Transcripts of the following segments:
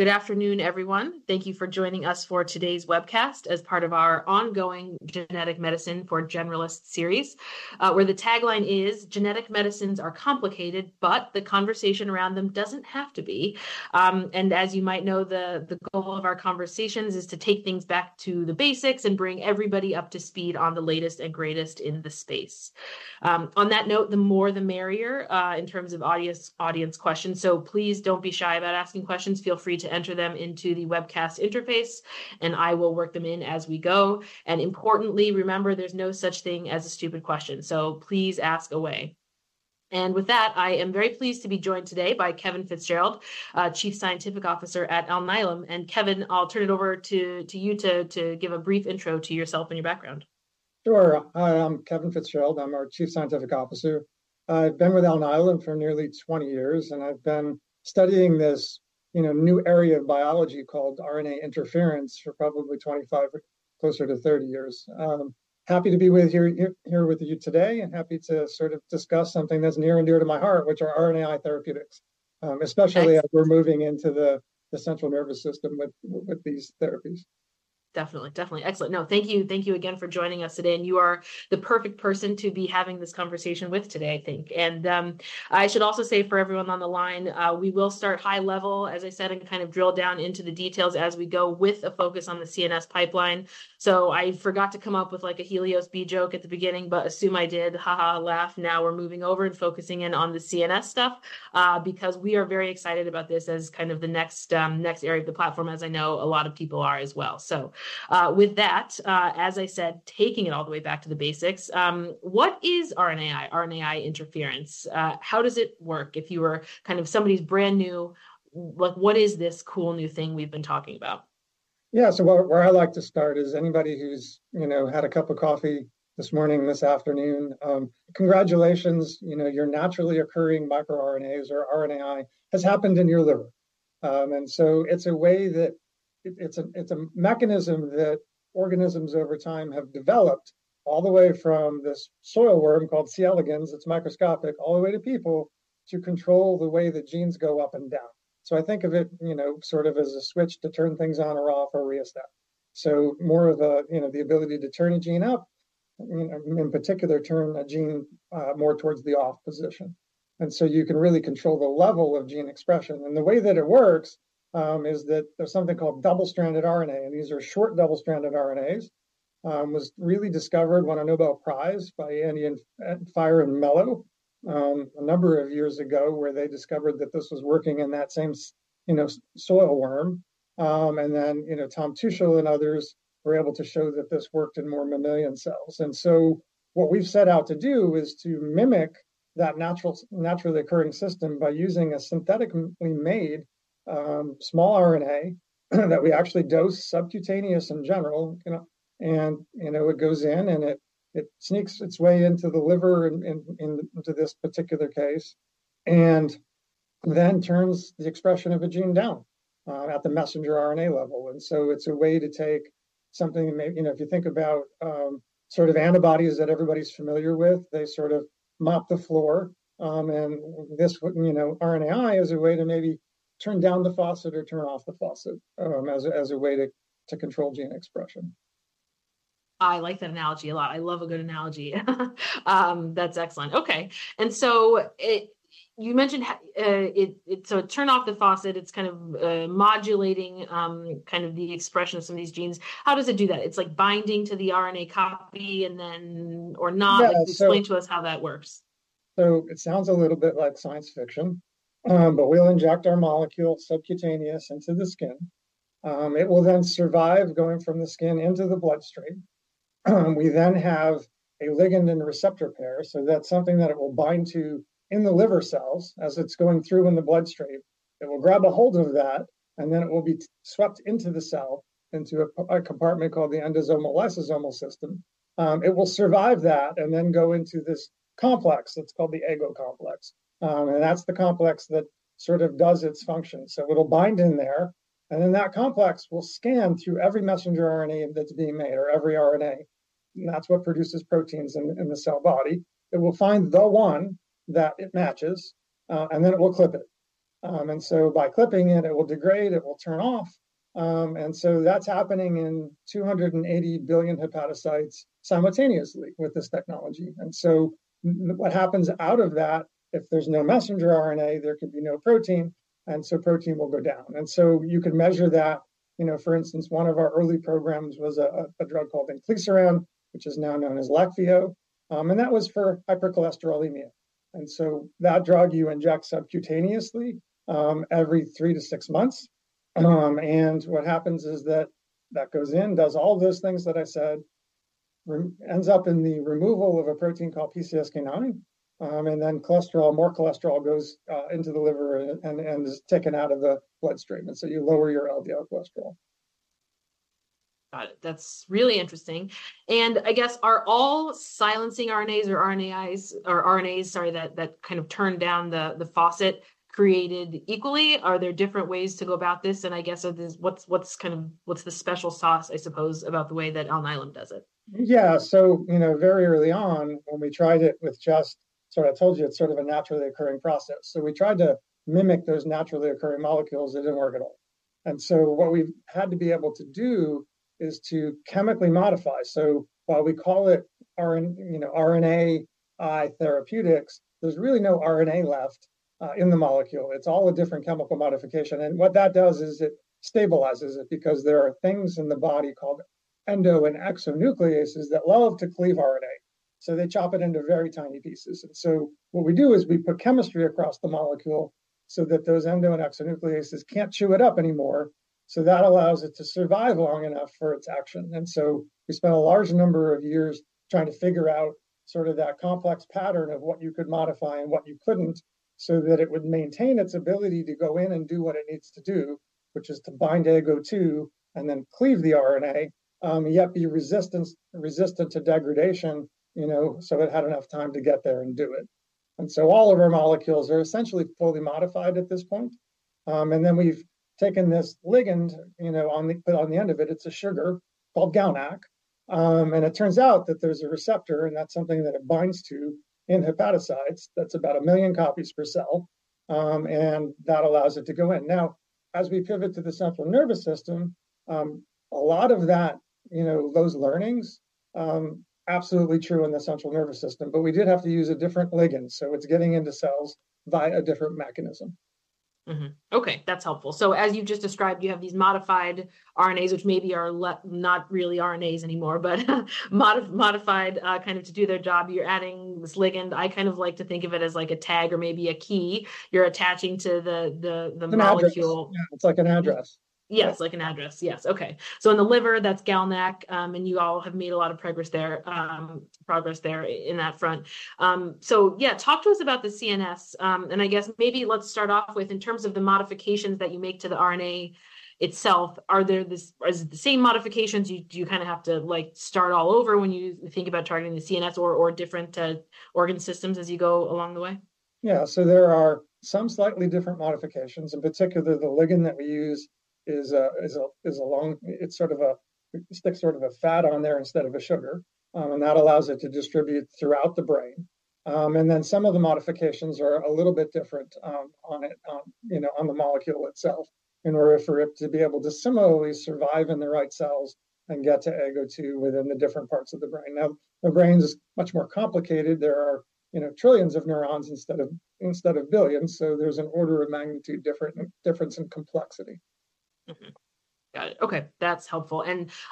Good afternoon, everyone. Thank you for joining us for today's webcast as part of our ongoing Genetic Medicine for Generalists series, where the tagline is, "Genetic Medicines are complicated, but the conversation around them doesn't have to be." And as you might know, the goal of our conversations is to take things back to the basics and bring everybody up to speed on the latest and greatest in the space. On that note, the more the merrier, in terms of audience questions. So please don't be shy about asking questions. Feel free to enter them into the webcast interface, and I will work them in as we go. And importantly, remember, there's no such thing as a stupid question, so please ask away. And with that, I am very pleased to be joined today by Kevin Fitzgerald, Chief Scientific Officer at Alnylam. Kevin, I'll turn it over to you to give a brief intro to yourself and your background. Sure. I'm Kevin Fitzgerald. I'm our Chief Scientific Officer. I've been with Alnylam for nearly 20 years, and I've been studying this, you know, new area of biology called RNA interference for probably 25 or closer to 30 years. Happy to be here with you today, and happy to sort of discuss something that's near and dear to my heart, which are RNAi therapeutics, especially as we're moving into the, the central nervous system with, with these therapies. Definitely, definitely. Excellent. No, thank you. Thank you again for joining us today. And you are the perfect person to be having this conversation with today, I think. And, I should also say for everyone on the line, we will start high level, as I said, and kind of drill down into the details as we go with a focus on the CNS pipeline. So I forgot to come up with, like, a HELIOS-B joke at the beginning, but assume I did, haha, laugh. Now we're moving over and focusing in on the CNS stuff, because we are very excited about this as kind of the next, next area of the platform, as I know a lot of people are as well. So, with that, as I said, taking it all the way back to the basics, what is RNAi, RNAi interference? How does it work? If you were kind of somebody's brand new, like, what is this cool new thing we've been talking about? Yeah, so where I like to start is anybody who's, you know, had a cup of coffee this morning, this afternoon, congratulations. You know, your naturally occurring microRNAs, or RNAi, has happened in your liver. And so it's a way that it's a mechanism that organisms over time have developed all the way from this soil worm called C. elegans, it's microscopic, all the way to people to control the way that genes go up and down. So I think of it, you know, sort of as a switch to turn things on or off or reassess. So more of a, you know, the ability to turn a gene up, you know, in particular, turn a gene, more towards the off position. And so you can really control the level of gene expression. And the way that it works is that there's something called double-stranded RNA, and these are short double-stranded RNAs that was really discovered won a Nobel Prize by Andrew Fire and Craig Mello, a number of years ago, where they discovered that this was working in that same, you know, soil worm. And then, you know, Thomas Tuschl and others were able to show that this worked in more mammalian cells. And so what we've set out to do is to mimic that natural, naturally occurring system by using a synthetically made small RNA that we actually dose subcutaneous in general, you know, and, you know, it goes in and it sneaks its way into the liver and into this particular case and then turns the expression of a gene down at the messenger RNA level. And so it's a way to take something that may, you know, if you think about, sort of antibodies that everybody's familiar with, they sort of mop the floor, and this, you know, RNAi is a way to maybe turn down the faucet or turn off the faucet, as a way to control gene expression. I like that analogy a lot. I love a good analogy. That's excellent. Okay. And so you mentioned how it turns off the faucet. It's kind of modulating, kind of the expression of some of these genes. How does it do that? It's like binding to the RNA copy and then or not? So. Explain to us how that works. So it sounds a little bit like science fiction, but we'll inject our molecule subcutaneously into the skin. It will then survive going from the skin into the bloodstream. We then have a ligand and receptor pair, so that's something that it will bind to in the liver cells as it's going through in the bloodstream. It will grab a hold of that, and then it will be swept into the cell, into a compartment called the endosomal lysosomal system. It will survive that and then go into this complex that's called the AGO complex. And that's the complex that sort of does its function. So it'll bind in there, and then that complex will scan through every messenger RNA that's being made or every RNA, and that's what produces proteins in the cell body. It will find the one that it matches, and then it will clip it. And so by clipping it, it will degrade, it will turn off. And so that's happening in 280 billion hepatocytes simultaneously with this technology. And so what happens out of that, if there's no messenger RNA, there could be no protein, and so protein will go down. And so you could measure that. You know, for instance, one of our early programs was a drug called inclisiran, which is now known as Leqvio, and that was for hypercholesterolemia. And so that drug you inject subcutaneously, every 3 to 6 months. And what happens is that that goes in, does all those things that I said, and ends up in the removal of a protein called PCSK9. And then more cholesterol goes into the liver and is taken out of the bloodstream. And so you lower your LDL cholesterol. Got it. That's really interesting. And I guess, are all silencing RNAs or RNAis or RNAs, sorry, that kind of turn down the faucet created equally? Are there different ways to go about this? And I guess, what's the special sauce, I suppose, about the way that Alnylam does it? Yeah. So, you know, very early on when we tried it with just sort of I told you it's sort of a naturally occurring process. So we tried to mimic those naturally occurring molecules. It didn't work at all. And so what we've had to be able to do is to chemically modify. So while we call it RNAi, you know, RNAi therapeutics, there's really no RNA left in the molecule. It's all a different chemical modification. And what that does is it stabilizes it because there are things in the body called endo and exonucleases that love to cleave RNA. So they chop it into very tiny pieces. And so what we do is we put chemistry across the molecule so that those endo and exonucleases can't chew it up anymore. So that allows it to survive long enough for its action. And so we spent a large number of years trying to figure out sort of that complex pattern of what you could modify and what you couldn't so that it would maintain its ability to go in and do what it needs to do, which is to bind AGO2 and then cleave the RNA, yet be resistant to degradation, you know, so it had enough time to get there and do it. And so all of our molecules are essentially fully modified at this point. And then we've taken this ligand, you know, put on the end of it. It's a sugar called GalNAc. And it turns out that there's a receptor, and that's something that it binds to in hepatocytes. That's about 1 million copies per cell. And that allows it to go in. Now, as we pivot to the central nervous system, a lot of that, you know, those learnings, absolutely true in the central nervous system, but we did have to use a different ligand. So it's getting into cells via a different mechanism. Mm-hmm. Okay. That's helpful. So as you've just described, you have these modified RNAs, which maybe are not really RNAs anymore, but modified, kind of to do their job. You're adding this ligand. I kind of like to think of it as like a tag or maybe a key you're attaching to the molecule. An address. Yeah. It's like an address. Yeah. It's like an address. Yes. Okay. So in the liver, that's GalNAc, and you all have made a lot of progress there, progress there in that front. So yeah, talk to us about the CNS. And I guess maybe let's start off with, in terms of the modifications that you make to the RNA itself, are there... is it the same modifications? You kind of have to, like, start all over when you think about targeting the CNS or different organ systems as you go along the way? Yeah. So there are some slightly different modifications. In particular, the ligand that we use is a long it's sort of a sticks sort of a fat on there instead of a sugar. And that allows it to distribute throughout the brain. And then some of the modifications are a little bit different, you know, on the molecule itself in order for it to be able to similarly survive in the right cells and get to AGO2 within the different parts of the brain. Now, the brain's much more complicated. There are, you know, trillions of neurons instead of billions. So there's an order of magnitude different difference in complexity. Mm-hmm. Got it. Okay. That's helpful.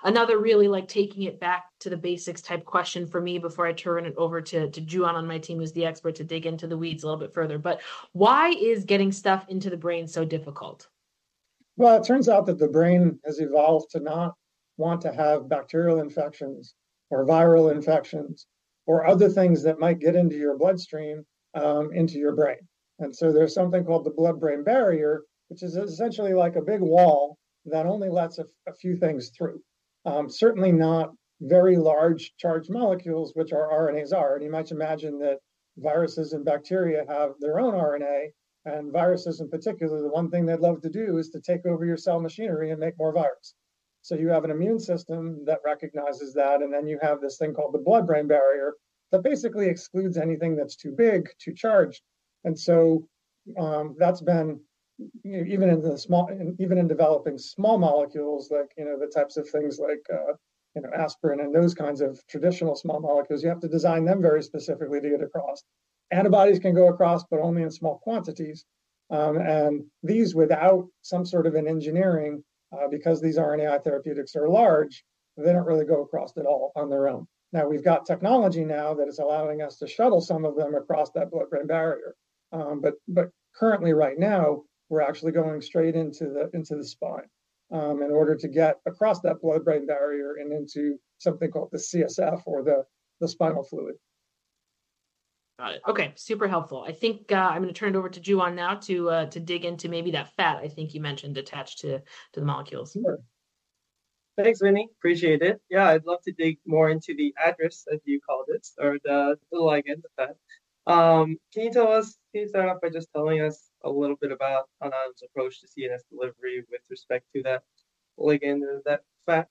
Another really, like, taking it back to the basics type question for me before I turn it over to, to Juan on my team who's the expert to dig into the weeds a little bit further, but why is getting stuff into the brain so difficult? Well, it turns out that the brain has evolved to not want to have bacterial infections or viral infections or other things that might get into your bloodstream, into your brain. And so there's something called the blood-brain barrier, which is essentially like a big wall that only lets a, a few things through. Certainly not very large charged molecules, which our RNAs are. And you might imagine that viruses and bacteria have their own RNA, and viruses in particular, the one thing they'd love to do is to take over your cell machinery and make more virus. So you have an immune system that recognizes that, and then you have this thing called the blood-brain barrier that basically excludes anything that's too big, too charged. And so, that's been, you know, even in the small, even in developing small molecules like, you know, the types of things like, you know, aspirin and those kinds of traditional small molecules, you have to design them very specifically to get across. Antibodies can go across, but only in small quantities. And these, without some sort of an engineering, because these RNAi therapeutics are large, they don't really go across at all on their own. Now, we've got technology now that is allowing us to shuttle some of them across that blood-brain barrier. But currently right now, we're actually going straight into the spine, in order to get across that blood-brain barrier and into something called the CSF or the spinal fluid. Got it. Okay. Super helpful. I think, I'm gonna turn it over to Juan now to dig into maybe that fat I think you mentioned attached to the molecules. Sure. Thanks, Winnie. Appreciate it. Yeah. I'd love to dig more into the address as you called it, or the ligand, the fat. Can you start off by just telling us a little bit about Alnylam's approach to CNS delivery with respect to that ligand or that fat?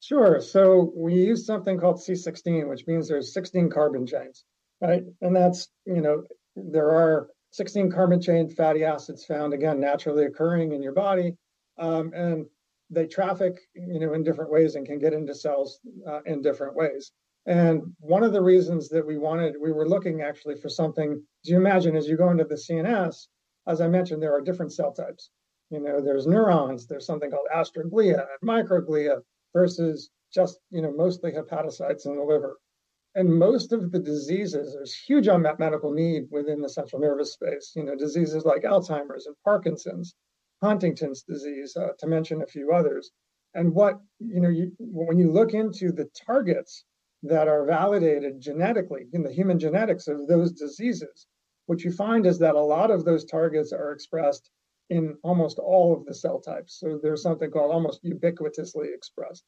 Sure. So we use something called C16, which means there's 16 carbon chains, right? And that's, you know, there are 16 carbon chain fatty acids found, again, naturally occurring in your body. And they traffic, you know, in different ways and can get into cells, in different ways. And one of the reasons that we wanted we were looking actually for something do you imagine as you go into the CNS, as I mentioned, there are different cell types. You know, there's neurons. There's something called astroglia and microglia versus just, you know, mostly hepatocytes in the liver. And most of the diseases, there's huge unmet medical need within the central nervous space, you know, diseases like Alzheimer's and Parkinson's, Huntington's disease, to mention a few others. And what, you know, when you look into the targets that are validated genetically in the human genetics of those diseases, what you find is that a lot of those targets are expressed in almost all of the cell types. So there's something called almost ubiquitously expressed.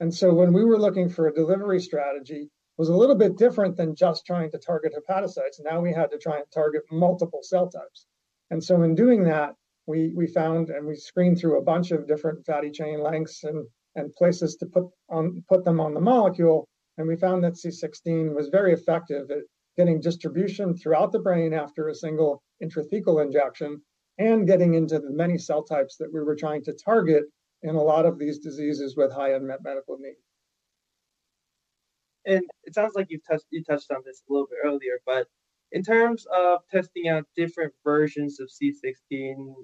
And so when we were looking for a delivery strategy, it was a little bit different than just trying to target hepatocytes. Now we had to try and target multiple cell types. And so in doing that, we found and we screened through a bunch of different fatty chain lengths and places to put them on the molecule. We found that C16 was very effective at getting distribution throughout the brain after a single intrathecal injection and getting into the many cell types that we were trying to target in a lot of these diseases with high unmet medical need. It sounds like you've touched on this a little bit earlier, but in terms of testing out different versions of C16,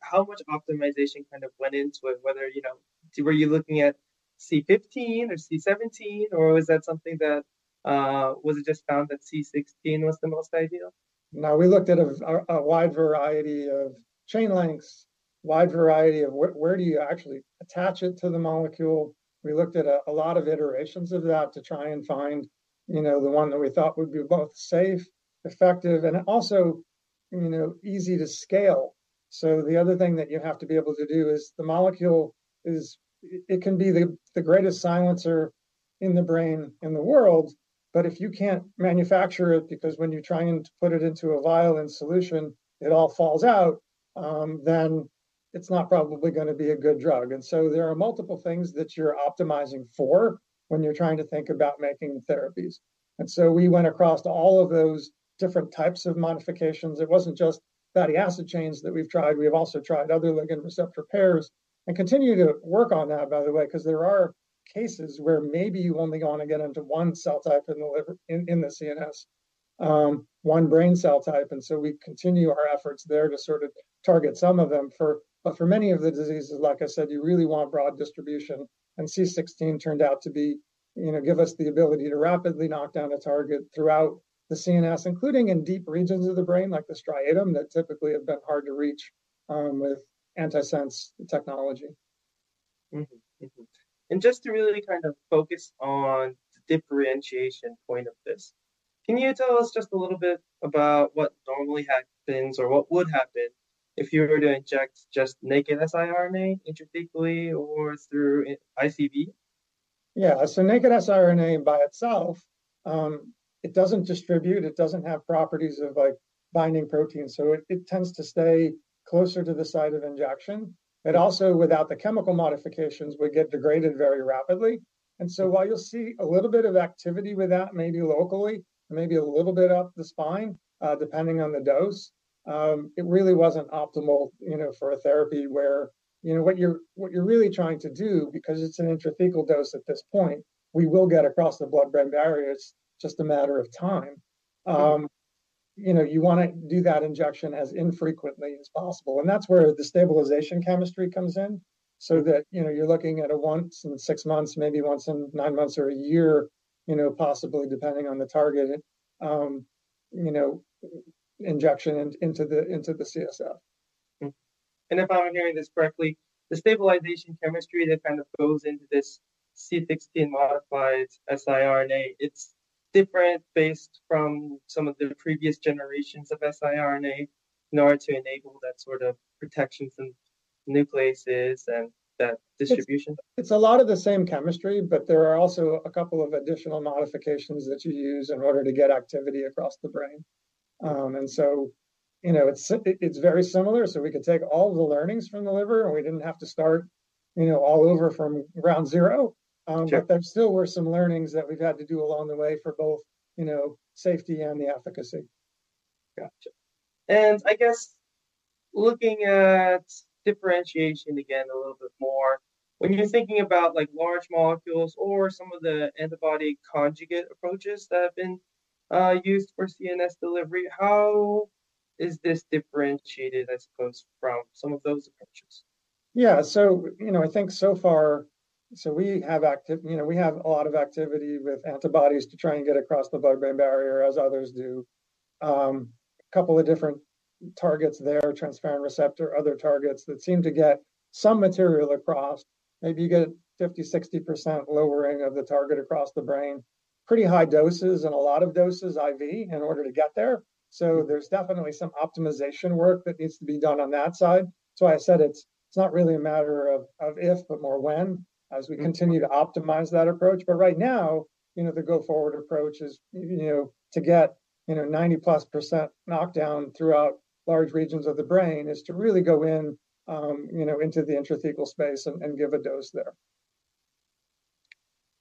how much optimization kind of went into it, whether, you know, were you looking at C15 or C17, or was that something that, was it just found that C16 was the most ideal? No, we looked at a wide variety of chain lengths, a wide variety of where do you actually attach it to the molecule? We looked at a lot of iterations of that to try and find, you know, the one that we thought would be both safe, effective, and also, you know, easy to scale. So the other thing that you have to be able to do is the molecule is it can be the, the greatest silencer in the brain in the world, but if you can't manufacture it because when you're trying to put it into a vial and solution, it all falls out, then it's not probably gonna be a good drug. And so there are multiple things that you're optimizing for when you're trying to think about making therapies. And so we went across all of those different types of modifications. It wasn't just fatty acid chains that we've tried. We have also tried other ligand receptor pairs and continue to work on that, by the way, 'cause there are cases where maybe you only wanna get into one cell type in the liver, in the CNS, one brain cell type. And so we continue our efforts there to sort of target some of them, but for many of the diseases, like I said, you really want broad distribution. And C16 turned out to be, you know, give us the ability to rapidly knock down a target throughout the CNS, including in deep regions of the brain like the striatum that typically have been hard to reach, with antisense technology. Mm-hmm. Mm-hmm. Just to really kind of focus on the differentiation point of this, can you tell us just a little bit about what normally happens or what would happen if you were to inject just naked siRNA intrathecally or through ICV? Yeah. So naked siRNA by itself, it doesn't distribute. It doesn't have properties of, like, binding protein. So it, it tends to stay closer to the site of injection. It also, without the chemical modifications, would get degraded very rapidly. And so while you'll see a little bit of activity with that, maybe locally and maybe a little bit up the spine, depending on the dose, it really wasn't optimal, you know, for a therapy where, you know, what you're what you're really trying to do because it's an intrathecal dose at this point, we will get across the blood-brain barrier. It's just a matter of time. You know, you wanna do that injection as infrequently as possible. That's where the stabilization chemistry comes in so that, you know, you're looking at once in 6 months, maybe once in 9 months or a year, you know, possibly depending on the target, you know, injection into the CSF. Mm-hmm. And if I'm hearing this correctly, the stabilization chemistry that kind of goes into this C16 modified siRNA, it's different based from some of the previous generations of siRNA in order to enable that sort of protections and nucleases and that distribution? It's a lot of the same chemistry, but there are also a couple of additional modifications that you use in order to get activity across the brain. So, you know, it's very similar. So we could take all of the learnings from the liver, and we didn't have to start, you know, all over from ground zero. But there still were some learnings that we've had to do along the way for both, you know, safety and the efficacy. Gotcha. And I guess looking at differentiation again a little bit more, when you're thinking about, like, large molecules or some of the antibody conjugate approaches that have been, used for CNS delivery, how is this differentiated, I suppose, from some of those approaches? Yeah. So, you know, I think so far we have a lot of activity with antibodies to try and get across the blood-brain barrier as others do. A couple of different targets there, transferrin receptor, other targets that seem to get some material across. Maybe you get a 50% to 60% lowering of the target across the brain, pretty high doses and a lot of doses IV in order to get there. So there's definitely some optimization work that needs to be done on that side. So I said it's not really a matter of if, but more when as we continue to optimize that approach. But right now, you know, the go-forward approach is, you know, to get, you know, 90%+ knockdown throughout large regions of the brain is to really go in, you know, into the intrathecal space and give a dose there.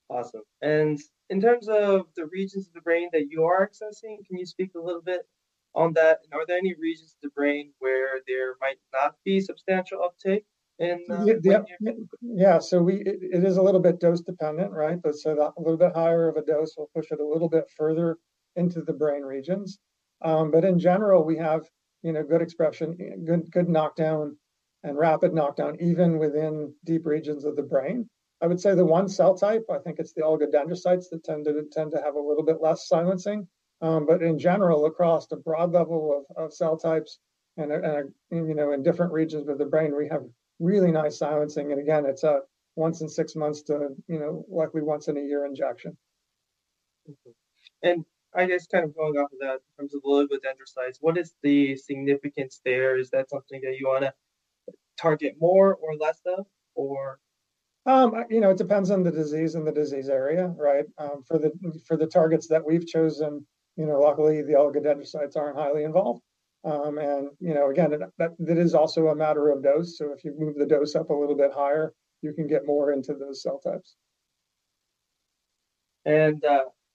Awesome. And in terms of the regions of the brain that you are accessing, can you speak a little bit on that? And are there any regions of the brain where there might not be substantial uptake in your chemical? Yeah. So it is a little bit dose-dependent, right? But so that a little bit higher of a dose will push it a little bit further into the brain regions. But in general, we have, you know, good expression, good, good knockdown and rapid knockdown even within deep regions of the brain. I would say the one cell type, I think it's the oligodendrocytes that tend to have a little bit less silencing. But in general, across the broad level of cell types and, you know, in different regions of the brain, we have really nice silencing. And again, it's a once in six months to, you know, likely once in a year injection. I guess kind of going off of that in terms of the oligodendrocytes, what is the significance there? Is that something that you wanna target more or less of, or? You know, it depends on the disease and the disease area, right? For the targets that we've chosen, you know, luckily the oligodendrocytes aren't highly involved. And, you know, again, that is also a matter of dose. So if you move the dose up a little bit higher, you can get more into those cell types.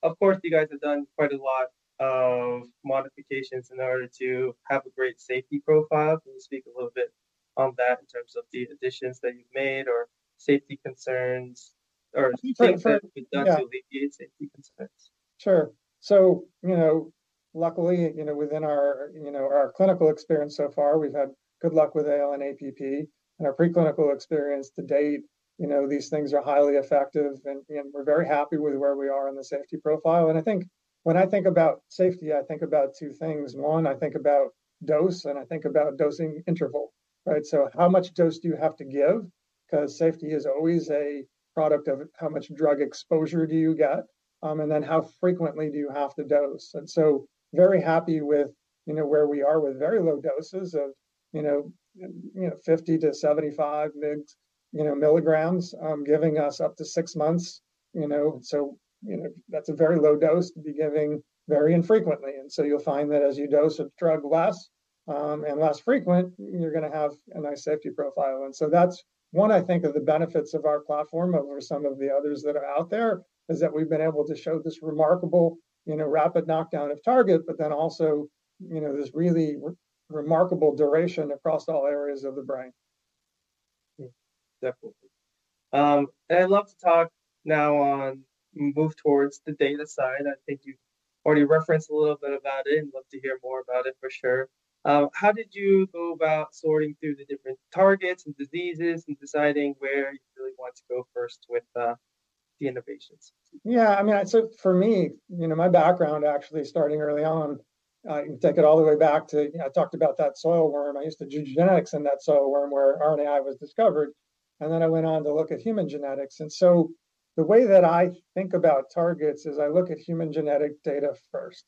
Of course, you guys have done quite a lot of modifications in order to have a great safety profile. Can you speak a little bit on that in terms of the additions that you've made or safety concerns or concerns that have been done to alleviate safety concerns? Sure. So, you know, luckily, you know, within our, you know, our clinical experience so far, we've had good luck with ALN-APP. In our preclinical experience to date, you know, these things are highly effective, and, and we're very happy with where we are in the safety profile. And I think when I think about safety, I think about two things. One, I think about dose, and I think about dosing interval, right? So how much dose do you have to give? 'Cause safety is always a product of how much drug exposure do you get, and then how frequently do you have to dose? And so very happy with, you know, where we are with very low doses of, you know, you know, 50 to 75 mg, you know, milligrams, giving us up to 6 months, you know. So, you know, that's a very low dose to be giving very infrequently. And so you'll find that as you dose a drug less and less frequent, you're gonna have a nice safety profile. And so that's one, I think, of the benefits of our platform over some of the others that are out there is that we've been able to show this remarkable, you know, rapid knockdown of target, but then also, you know, this really remarkable duration across all areas of the brain. Definitely. And I'd love to talk now on move towards the data side. I think you've already referenced a little bit about it and love to hear more about it for sure. How did you go about sorting through the different targets and diseases and deciding where you really want to go first with the innovations? Yeah. I mean, so for me, you know, my background actually starting early on, you can take it all the way back to, you know, I talked about that soil worm. I used to do genetics in that soil worm where RNAi was discovered. And then I went on to look at human genetics. And so the way that I think about targets is I look at human genetic data first,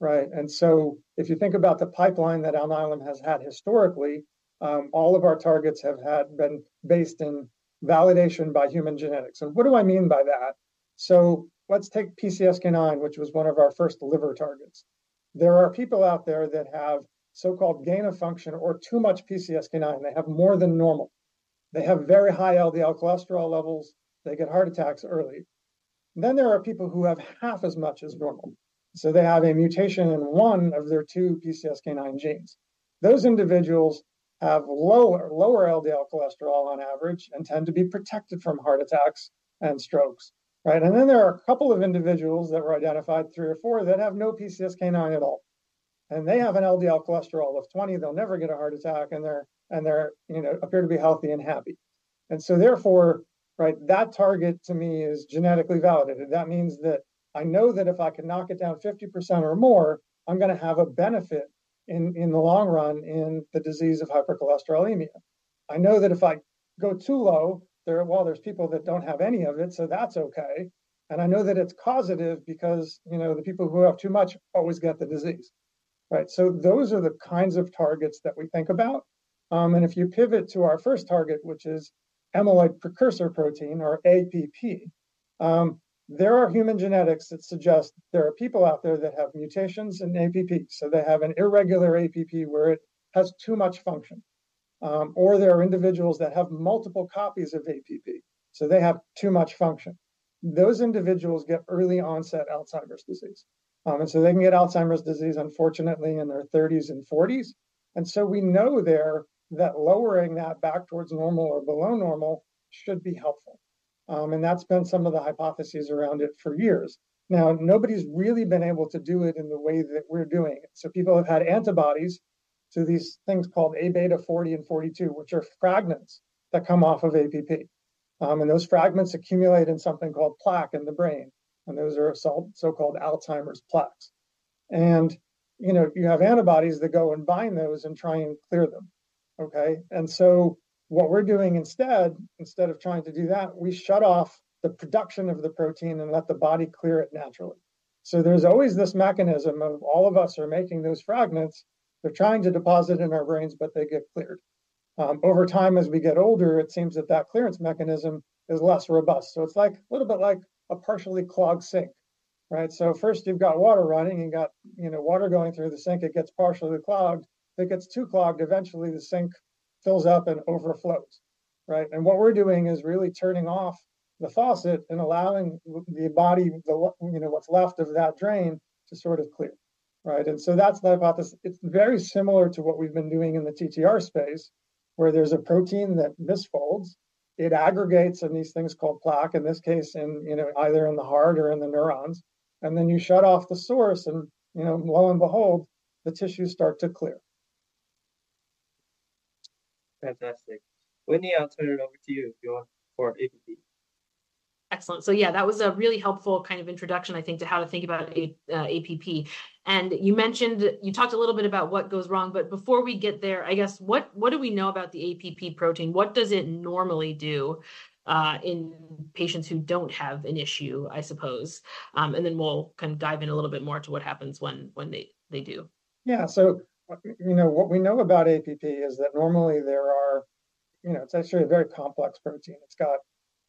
right? And so if you think about the pipeline that Alnylam has had historically, all of our targets have had been based in validation by human genetics. And what do I mean by that? So let's take PCSK9, which was one of our first liver targets. There are people out there that have so-called gain of function or too much PCSK9. They have more than normal. They have very high LDL cholesterol levels. They get heart attacks early. Then there are people who have half as much as normal. So they have a mutation in one of their two PCSK9 genes. Those individuals have lower, lower LDL cholesterol on average and tend to be protected from heart attacks and strokes, right? And then there are a couple of individuals that were identified, three or four, that have no PCSK9 at all. And they have an LDL cholesterol of 20. They'll never get a heart attack. And they're, you know, appear to be healthy and happy. And so therefore, right, that target to me is genetically validated. That means that I know that if I can knock it down 50% or more, I'm gonna have a benefit in the long run in the disease of hypercholesterolemia. I know that if I go too low, there, while there's people that don't have any of it, so that's okay. And I know that it's causative because, you know, the people who have too much always get the disease, right? So those are the kinds of targets that we think about. And if you pivot to our first target, which is amyloid precursor protein or APP, there are human genetics that suggest there are people out there that have mutations in APP. So they have an irregular APP where it has too much function. Or there are individuals that have multiple copies of APP. So they have too much function. Those individuals get early onset Alzheimer's disease. And so they can get Alzheimer's disease, unfortunately, in their thirties and forties. And so we know there that lowering that back towards normal or below normal should be helpful. And that's been some of the hypotheses around it for years. Now, nobody's really been able to do it in the way that we're doing it. So people have had antibodies to these things called Abeta 40 and 42, which are fragments that come off of APP. And those fragments accumulate in something called plaque in the brain. And those are so-called Alzheimer's plaques. And, you know, you have antibodies that go and bind those and try and clear them, okay? And so what we're doing instead, instead of trying to do that, we shut off the production of the protein and let the body clear it naturally. So there's always this mechanism of all of us are making those fragments. They're trying to deposit in our brains, but they get cleared. Over time, as we get older, it seems that that clearance mechanism is less robust. So it's like a little bit like a partially clogged sink, right? So first you've got water running. You've got, you know, water going through the sink. It gets partially clogged. If it gets too clogged, eventually the sink fills up and overflows, right? And what we're doing is really turning off the faucet and allowing the body, the, you know, what's left of that drain to sort of clear, right? And so that's the hypothesis. It's very similar to what we've been doing in the TTR space where there's a protein that misfolds. It aggregates in these things called plaque, in this case, in, you know, either in the heart or in the neurons. And then you shut off the source and, you know, lo and behold, the tissues start to clear. Fantastic. Wendy, I'll turn it over to you if you want for APP. Excellent. So yeah, that was a really helpful kind of introduction, I think, to how to think about APP. And you mentioned, you talked a little bit about what goes wrong, but before we get there, I guess, what do we know about the APP protein? What does it normally do, in patients who don't have an issue, I suppose? And then we'll kind of dive in a little bit more to what happens when they do. Yeah. So, you know, what we know about APP is that normally there are, you know, it's actually a very complex protein. It's got,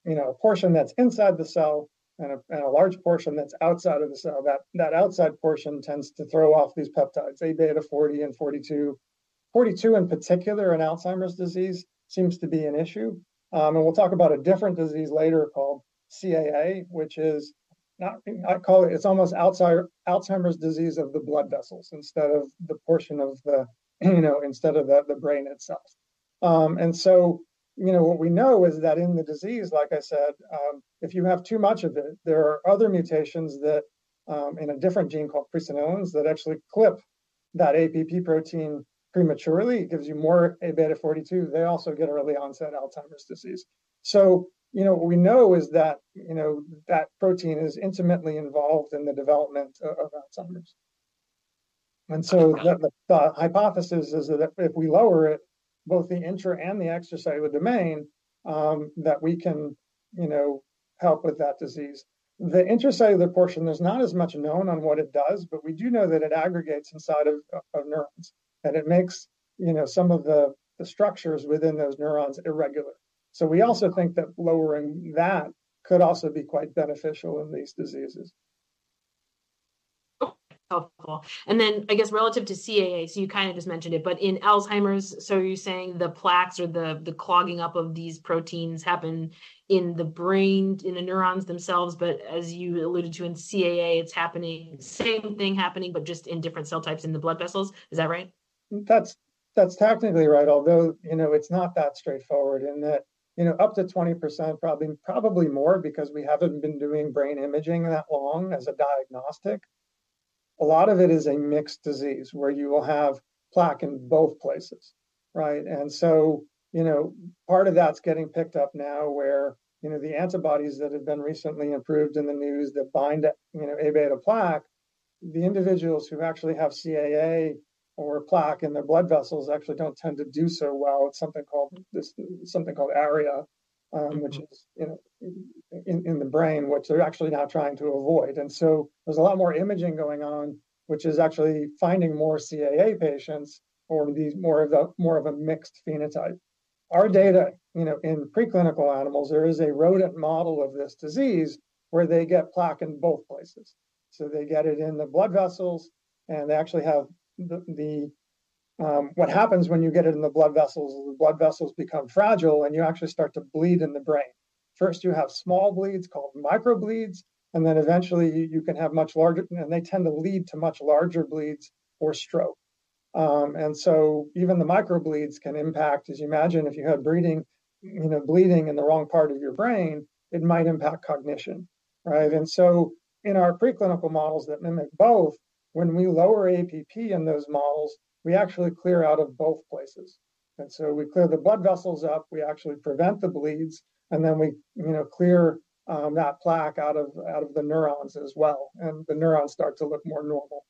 you know, a portion that's inside the cell and a, and a large portion that's outside of the cell. That, that outside portion tends to throw off these peptides, Abeta 40 and 42. 42 in particular in Alzheimer's disease seems to be an issue. And we'll talk about a different disease later called CAA, which is not, I call it, it's almost outside Alzheimer's disease of the blood vessels instead of the portion of the, you know, instead of the, the brain itself. And so, you know, what we know is that in the disease, like I said, if you have too much of it, there are other mutations that, in a different gene called presenilins that actually clip that APP protein prematurely. It gives you more Abeta 42. They also get early onset Alzheimer's disease. So, you know, what we know is that, you know, that protein is intimately involved in the development of Alzheimer's. And so the hypothesis is that if we lower it, both the intra and the extracellular domain, that we can, you know, help with that disease. The intracellular portion, there's not as much known on what it does, but we do know that it aggregates inside of neurons and it makes, you know, some of the structures within those neurons irregular. So we also think that lowering that could also be quite beneficial in these diseases. Helpful. And then I guess relative to CAA, so you kind of just mentioned it, but in Alzheimer's, so you're saying the plaques or the clogging up of these proteins happen in the brain, in the neurons themselves, but as you alluded to in CAA, it's happening, same thing happening, but just in different cell types in the blood vessels. Is that right? That's, that's technically right, although, you know, it's not that straightforward in that, you know, up to 20%, probably, probably more because we haven't been doing brain imaging that long as a diagnostic. A lot of it is a mixed disease where you will have plaque in both places, right? And so, you know, part of that's getting picked up now where, you know, the antibodies that have been recently improved in the news that bind, you know, Abeta plaque, the individuals who actually have CAA or plaque in their blood vessels actually don't tend to do so well. It's something called this, something called ARIA, which is, you know, in, in the brain, which they're actually now trying to avoid. And so there's a lot more imaging going on, which is actually finding more CAA patients or these more of a, more of a mixed phenotype. Our data, you know, in preclinical animals, there is a rodent model of this disease where they get plaque in both places. So they get it in the blood vessels and they actually have the what happens when you get it in the blood vessels, the blood vessels become fragile and you actually start to bleed in the brain. First you have small bleeds called microbleeds and then eventually you can have much larger and they tend to lead to much larger bleeds or stroke. And so even the microbleeds can impact, as you imagine, if you had bleeding, you know, bleeding in the wrong part of your brain, it might impact cognition, right? And so in our preclinical models that mimic both, when we lower APP in those models, we actually clear out of both places. And so we clear the blood vessels up. We actually prevent the bleeds and then we, you know, clear that plaque out of the neurons as well, and the neurons start to look more normal.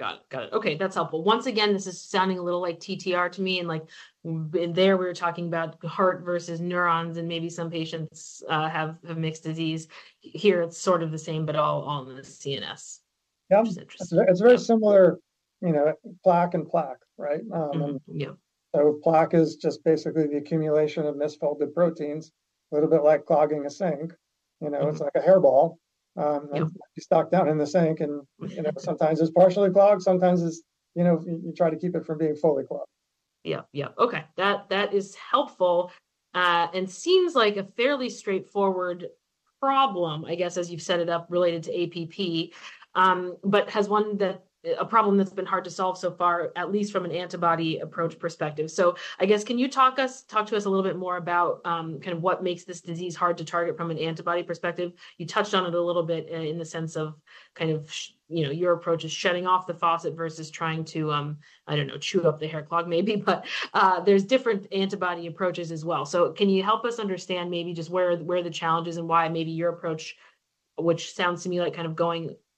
Got it. Got it. Okay. That's helpful. Once again, this is sounding a little like TTR to me, and like in there we were talking about heart versus neurons and maybe some patients have mixed disease. Here it's sort of the same, but all in the CNS. Yeah. It's a very similar, you know, plaque and plaque, right? And yeah, so plaque is just basically the accumulation of misfolded proteins, a little bit like clogging a sink, you know, it's like a hairball you stuck down in the sink and, you know, sometimes it's partially clogged, sometimes it's, you know, you try to keep it from being fully clogged. Yep. Yep. Okay. That is helpful and seems like a fairly straightforward problem, I guess, as you've set it up related to APP, but has one that, a problem that's been hard to solve so far, at least from an antibody approach perspective. So I guess can you talk to us a little bit more about kind of what makes this disease hard to target from an antibody perspective? You touched on it a little bit, in the sense of kind of, you know, your approach is shutting off the faucet versus trying to, I don't know, chew up the hair clog maybe, but there's different antibody approaches as well. So can you help us understand maybe just where the challenge is and why maybe your approach, which sounds to me like kind of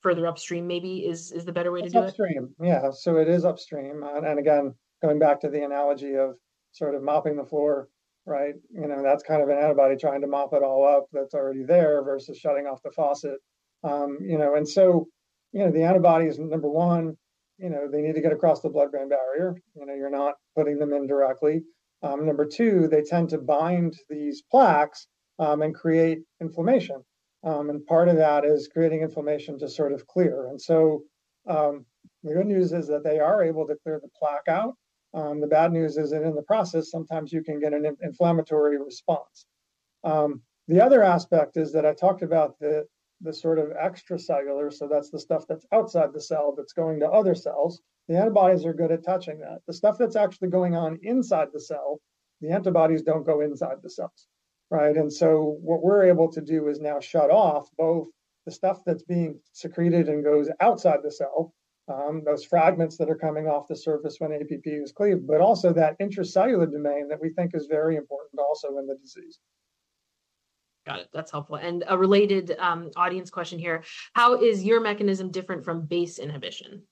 going further upstream maybe, is the better way to do it? Upstream. Yeah. So it is upstream. And, and again, going back to the analogy of sort of mopping the floor, right? You know, that's kind of an antibody trying to mop it all up that's already there versus shutting off the faucet. You know, and so, you know, the antibody is number one, you know, they need to get across the blood-brain barrier. You know, you're not putting them in directly. Number two, they tend to bind these plaques, and create inflammation. And part of that is creating inflammation to sort of clear. And so, the good news is that they are able to clear the plaque out. The bad news is that in the process, sometimes you can get an inflammatory response. The other aspect is that I talked about the, the sort of extracellular. So that's the stuff that's outside the cell that's going to other cells. The antibodies are good at touching that. The stuff that's actually going on inside the cell, the antibodies don't go inside the cells, right? And so what we're able to do is now shut off both the stuff that's being secreted and goes outside the cell, those fragments that are coming off the surface when APP is cleaved, but also that intracellular domain that we think is very important also in the disease. Got it. That's helpful. A related, audience question here. How is your mechanism different from BACE inhibition?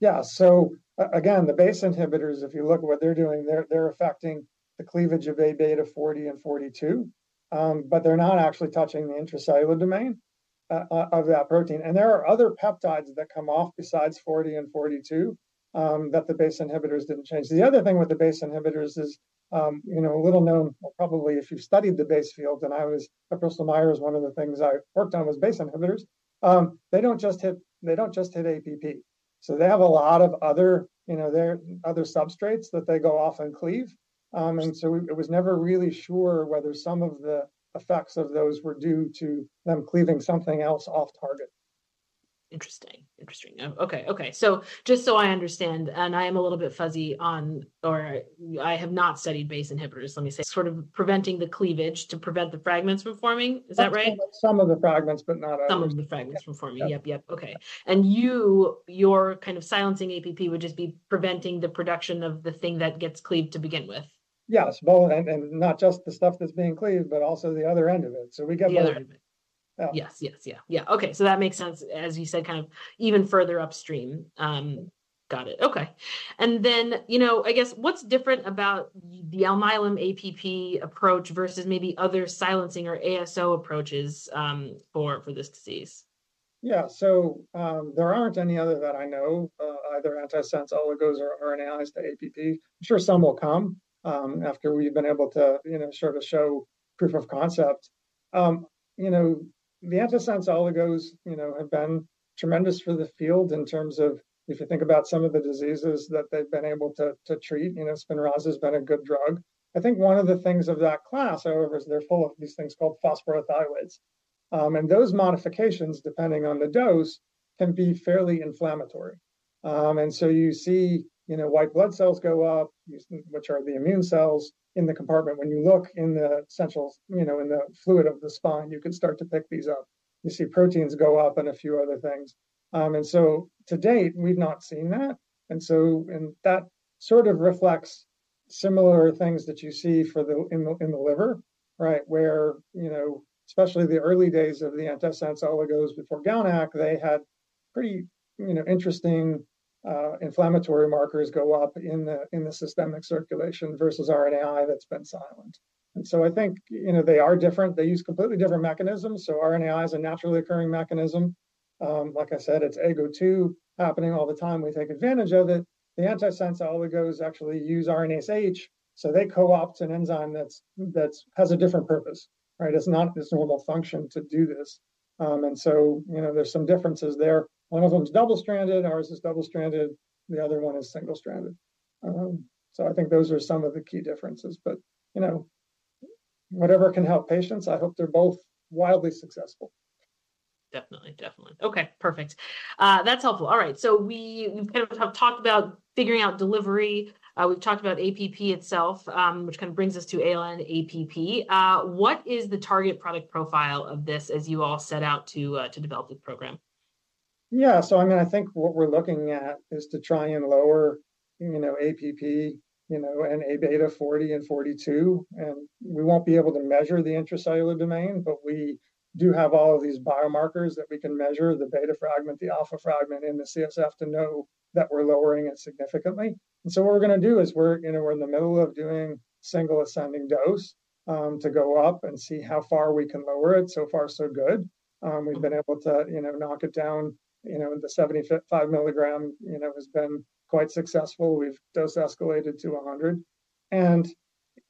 Yeah. So again, the BACE inhibitors, if you look at what they're doing, they're affecting the cleavage of Abeta 40 and 42. But they're not actually touching the intracellular domain of that protein. And there are other peptides that come off besides 40 and 42 that the BACE inhibitors didn't change. The other thing with the BACE inhibitors is, you know, a little known, well, probably if you've studied the BACE field and I was at Bristol Myers, one of the things I worked on was BACE inhibitors. They don't just hit APP. So they have a lot of other, you know, there are other substrates that they go off and cleave. And so it was never really sure whether some of the effects of those were due to them cleaving something else off target. Interesting. Interesting. Okay. Okay. So just so I understand, and I am a little bit fuzzy on, or I have not studied BACE inhibitors, let me sort of preventing the cleavage to prevent the fragments from forming. Is that right? Some of the fragments, but not a. Some of the fragments from forming. Yep. Yep. Okay. And you, your kind of silencing APP would just be preventing the production of the thing that gets cleaved to begin with. Yes. Well, and, and not just the stuff that's being cleaved, but also the other end of it. So we get both. The other end of it. Yeah. Yes. Yes. Yeah. Yeah. Okay. So that makes sense, as you said, kind of even further upstream. Got it. Okay. And then, you know, I guess what's different about the Alnylam APP approach versus maybe other silencing or ASO approaches, for this disease? Yeah. So, there aren't any other that I know, either antisense oligos or analyzed the APP. I'm sure some will come, after we've been able to, you know, sort of show proof of concept. You know, the antisense oligos, you know, have been tremendous for the field in terms of if you think about some of the diseases that they've been able to, to treat, you know, Spinraza's been a good drug. I think one of the things of that class, however, is they're full of these things called phosphorothioates. And those modifications, depending on the dose, can be fairly inflammatory. And so you see, you know, white blood cells go up, which are the immune cells in the compartment. When you look in the CSF, you know, in the fluid of the spine, you can start to pick these up. You see proteins go up and a few other things. And so to date, we've not seen that. And so, and that sort of reflects similar things that you see in the liver, right, where, you know, especially the early days of the antisense oligos before GalNAc, they had pretty, you know, interesting, inflammatory markers go up in the systemic circulation versus RNAi that's been silent. And so I think, you know, they are different. They use completely different mechanisms. So RNAi is a naturally occurring mechanism. Like I said, it's AGO2 happening all the time. We take advantage of it. The antisense oligos actually use RNase H. So they co-opt an enzyme that's has a different purpose, right? It's not its normal function to do this. And so, you know, there's some differences there. One of them's double-stranded. Ours is double-stranded. The other one is single-stranded. So I think those are some of the key differences, but, you know, whatever can help patients, I hope they're both wildly successful. Definitely. Definitely. Okay. Perfect. That's helpful. All right. So we, we kind of have talked about figuring out delivery. We've talked about APP itself, which kind of brings us to ALN-APP. What is the target product profile of this as you all set out to, to develop this program? Yeah. So, I mean, I think what we're looking at is to try and lower, you know, APP, you know, and Abeta 40 and 42. And we won't be able to measure the intracellular domain, but we do have all of these biomarkers that we can measure the beta fragment, the alpha fragment in the CSF to know that we're lowering it significantly. And so what we're gonna do is we're, you know, we're in the middle of doing single ascending dose, to go up and see how far we can lower it. So far, so good. We've been able to, you know, knock it down, you know, in the 75 mg, you know, has been quite successful. We've dose escalated to 100. And,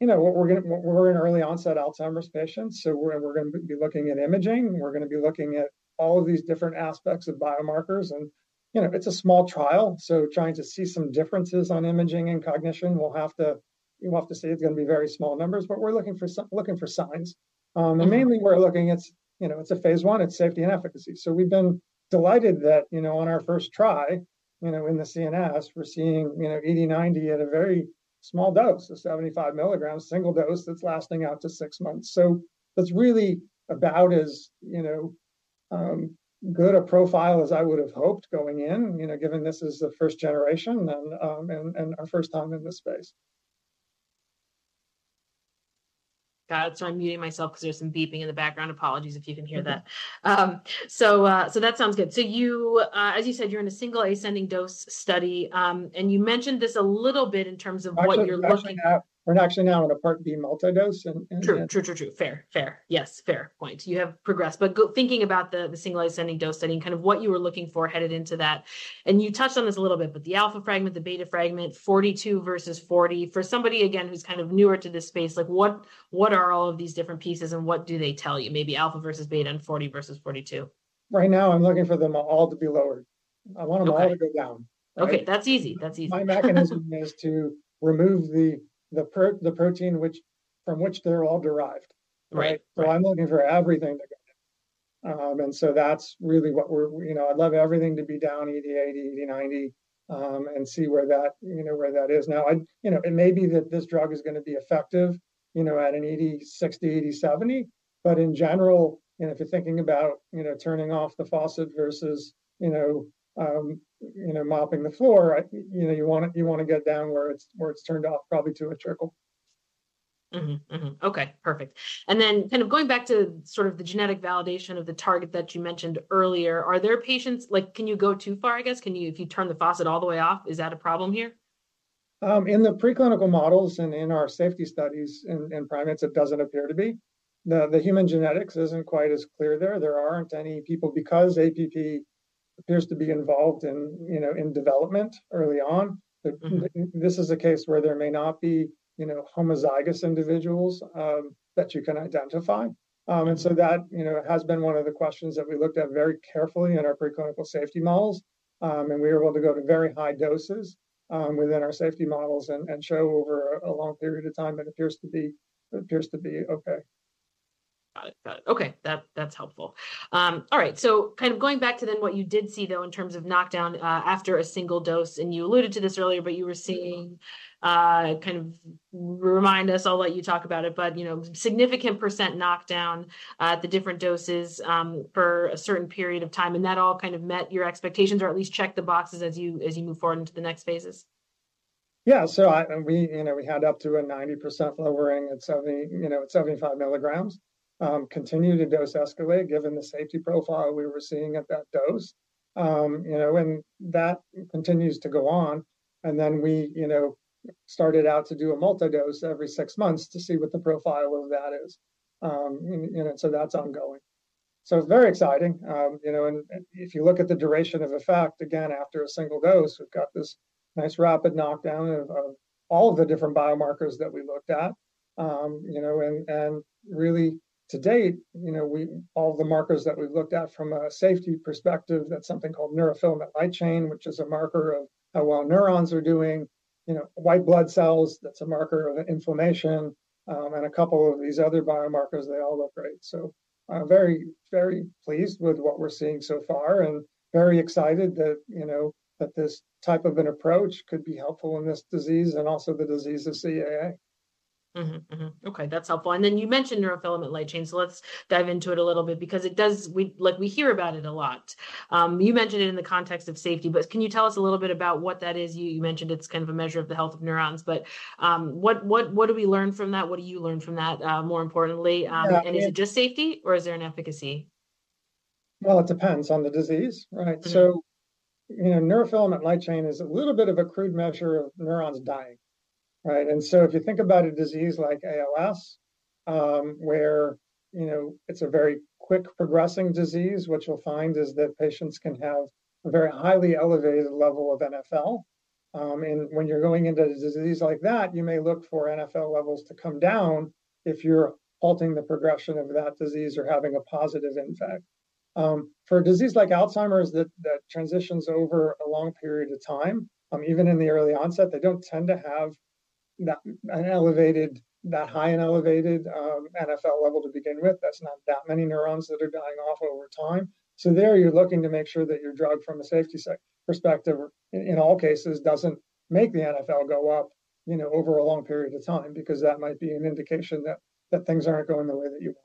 you know, what we're gonna, what we're in early onset Alzheimer's patients. So we're, and we're gonna be looking at imaging. We're gonna be looking at all of these different aspects of biomarkers and, you know, it's a small trial. So trying to see some differences on imaging and cognition, we'll have to, we'll have to say it's gonna be very small numbers, but we're looking for some, looking for signs. And mainly we're looking, it's, you know, it's a phase 1. It's safety and efficacy. So we've been delighted that, you know, on our first try, you know, in the CNS, we're seeing, you know, 80/90 at a very small dose, a 75 mg single dose that's lasting out to six months. So that's really about as, you know, good a profile as I would've hoped going in, you know, given this is the first generation and, and, and our first time in this space. Got it. Sorry, muting myself 'cause there's some beeping in the background. Apologies if you can hear that. So, so that sounds good. So you, as you said, you're in a single ascending dose study. You mentioned this a little bit in terms of what you're looking. We're actually now in a Part B multi-dose and, and. True. True. True. True. Fair. Fair. Yes. Fair point. You have progressed, but go thinking about the single ascending dose study and kind of what you were looking for headed into that. And you touched on this a little bit, but the alpha fragment, the beta fragment, 42 versus 40. For somebody again, who's kind of newer to this space, like what are all of these different pieces and what do they tell you? Maybe alpha versus beta and 40 versus 42. Right now I'm looking for them all to be lowered. I want 'em all to go down. Okay. That's easy. That's easy. My mechanism is to remove the protein from which they're all derived. Right. So I'm looking for everything to go down, and so that's really what we're, you know, I'd love everything to be down 80/80, 80/90, and see where that, you know, where that is. Now I, you know, it may be that this drug is gonna be effective, you know, at an 80/60, 80/70, but in general, you know, if you're thinking about, you know, turning off the faucet versus, you know, you know, mopping the floor, I, you know, you wanna, you wanna get down where it's, where it's turned off probably to a trickle. Mm-hmm. Mm-hmm. Okay. Perfect. And then kind of going back to sort of the genetic validation of the target that you mentioned earlier, are there patients, like, can you go too far, I guess? Can you, if you turn the faucet all the way off, is that a problem here? In the preclinical models and in our safety studies and primates, it doesn't appear to be. The human genetics isn't quite as clear there. There aren't any people because APP appears to be involved in, you know, in development early on. This is a case where there may not be, you know, homozygous individuals that you can identify. And so that, you know, has been one of the questions that we looked at very carefully in our preclinical safety models. And we were able to go to very high doses within our safety models and show over a long period of time it appears to be, it appears to be okay. Got it. Got it. Okay. That, that's helpful. All right. So kind of going back to then what you did see though in terms of knockdown, after a single dose, and you alluded to this earlier, but you were seeing, kind of remind us, I'll let you talk about it, but, you know, significant % knockdown, at the different doses, for a certain period of time. And that all kind of met your expectations or at least checked the boxes as you, as you move forward into the next phases? Yeah. So I, and we, you know, we had up to a 90% lowering at 70, you know, at 75 milligrams. Continued to dose escalate given the safety profile we were seeing at that dose. You know, and that continues to go on. And then we, you know, started out to do a multi-dose every six months to see what the profile of that is. You know, so that's ongoing. So it's very exciting. You know, and if you look at the duration of effect, again, after a single dose, we've got this nice rapid knockdown of, of all of the different biomarkers that we looked at. You know, and really to date, you know, we all of the markers that we've looked at from a safety perspective, that's something called neurofilament light chain, which is a marker of how well neurons are doing, you know, white blood cells, that's a marker of inflammation, and a couple of these other biomarkers, they all look great. So, very, very pleased with what we're seeing so far and very excited that, you know, that this type of an approach could be helpful in this disease and also the disease of CAA. Mm-hmm. Mm-hmm. Okay. That's helpful. And then you mentioned neurofilament light chain. So let's dive into it a little bit because it does, like we hear about it a lot. You mentioned it in the context of safety, but can you tell us a little bit about what that is? You mentioned it's kind of a measure of the health of neurons, but what do we learn from that? What do you learn from that, more importantly? And is it just safety or is there an efficacy? Well, it depends on the disease, right? So, you know, neurofilament light chain is a little bit of a crude measure of neurons dying, right? And so if you think about a disease like ALS, where, you know, it's a very quick progressing disease, what you'll find is that patients can have a very highly elevated level of NfL. And when you're going into a disease like that, you may look for NfL levels to come down if you're halting the progression of that disease or having a positive effect. For a disease like Alzheimer's that, that transitions over a long period of time, even in the early onset, they don't tend to have that, an elevated, that high and elevated, NfL level to begin with. That's not that many neurons that are dying off over time. There you're looking to make sure that your drug from a safety perspective, in all cases, doesn't make the NfL go up, you know, over a long period of time because that might be an indication that things aren't going the way that you want.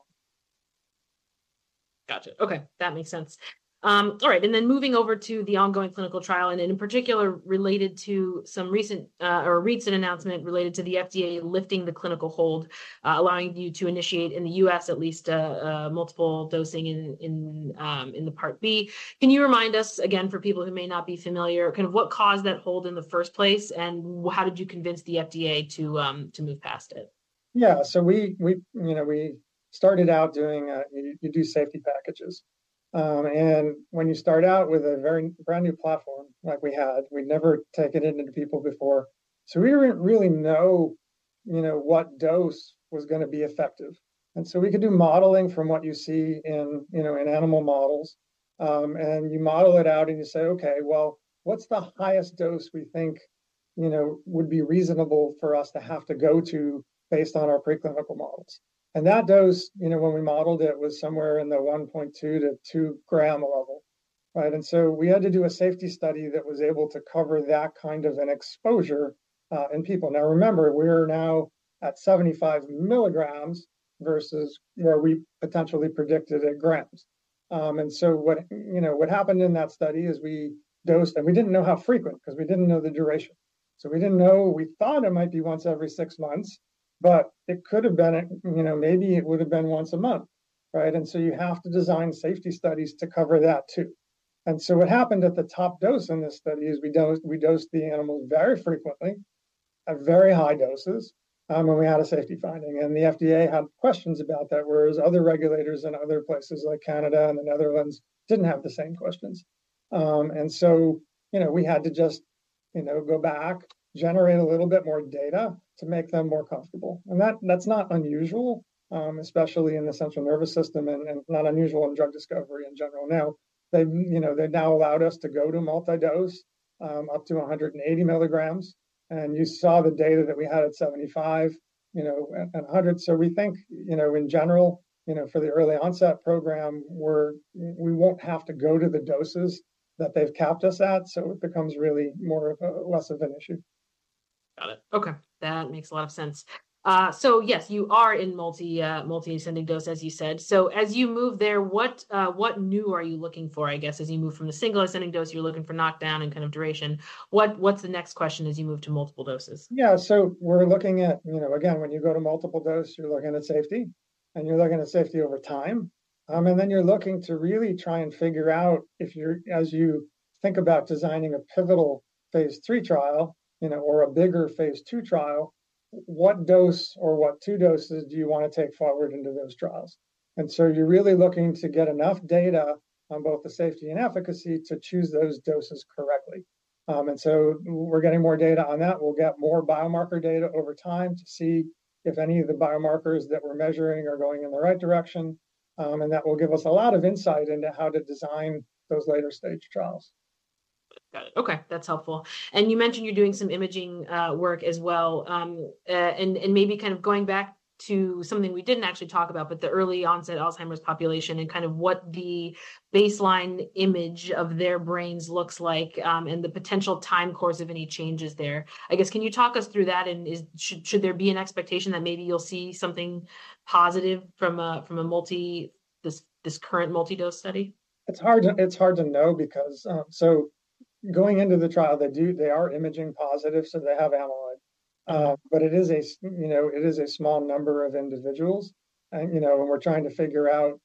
Gotcha. Okay. That makes sense. All right. And then moving over to the ongoing clinical trial and in particular related to some recent, or recent announcement related to the FDA lifting the clinical hold, allowing you to initiate in the U.S. at least, multiple dosing in the Part B. Can you remind us again for people who may not be familiar, kind of what caused that hold in the first place and how did you convince the FDA to move past it? Yeah. So we, you know, we started out doing safety packages. And when you start out with a very brand new platform like we had, we'd never taken it into people before. So we didn't really know, you know, what dose was gonna be effective. And so we could do modeling from what you see in, you know, in animal models. And you model it out and you say, okay, well, what's the highest dose we think, you know, would be reasonable for us to have to go to based on our preclinical models? And that dose, you know, when we modeled it was somewhere in the 1.2 to 2 gram level, right? And so we had to do a safety study that was able to cover that kind of an exposure in people. Now remember, we are now at 75 milligrams versus where we potentially predicted at grams. And so, you know, what happened in that study is we dosed and we didn't know how frequent 'cause we didn't know the duration. So we didn't know. We thought it might be once every six months, but it could have been at, you know, maybe it would've been once a month, right? And so you have to design safety studies to cover that too. And so what happened at the top dose in this study is we dosed. We dosed the animals very frequently at very high doses when we had a safety finding. And the FDA had questions about that, whereas other regulators in other places like Canada and the Netherlands didn't have the same questions. So, you know, we had to just, you know, go back, generate a little bit more data to make them more comfortable. That, that's not unusual, especially in the central nervous system and, and not unusual in drug discovery in general. Now they, you know, they've now allowed us to go to multi-dose, up to 180 milligrams. And you saw the data that we had at 75, you know, and 100. So we think, you know, in general, you know, for the early onset program, we won't have to go to the doses that they've capped us at. So it becomes really more of a, less of an issue. Got it. Okay. That makes a lot of sense. So yes, you are in multi, multi-ascending dose as you said. So as you move there, what, what new are you looking for, I guess, as you move from the single ascending dose? You're looking for knockdown and kind of duration. What, what's the next question as you move to multiple doses? Yeah. So we're looking at, you know, again, when you go to multiple dose, you're looking at safety and you're looking at safety over time. Then you're looking to really try and figure out if you're, as you think about designing a pivotal phase 3 trial, you know, or a bigger phase 2 trial, what dose or what 2 doses do you wanna take forward into those trials? So you're really looking to get enough data on both the safety and efficacy to choose those doses correctly. So we're getting more data on that. We'll get more biomarker data over time to see if any of the biomarkers that we're measuring are going in the right direction. That will give us a lot of insight into how to design those later stage trials. Got it. Okay. That's helpful. And you mentioned you're doing some imaging work as well. And maybe kind of going back to something we didn't actually talk about, but the early onset Alzheimer's population and kind of what the baseline image of their brains looks like, and the potential time course of any changes there. I guess can you talk us through that and should there be an expectation that maybe you'll see something positive from this current multi-dose study? It's hard to know because, going into the trial, they are imaging positive. So they have amyloid. But it is a small number of individuals, you know. And, you know, when we're trying to figure out